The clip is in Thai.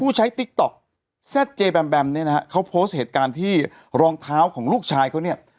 ใช้ติ๊กต๊อกแซ่ดเจแบมแบมเนี่ยนะฮะเขาโพสต์เหตุการณ์ที่รองเท้าของลูกชายเขาเนี่ย